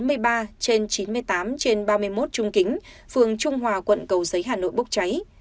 trước đó khoảng giờ ba mươi phút ngày hai mươi tám trên ba mươi một trung kính phường trung hòa quận cầu giấy hà nội bốc cháy